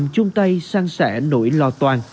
dùng tay sang xẻ nỗi lo toàn